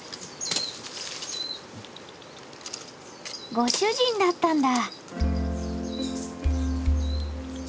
ご主人だったんだ。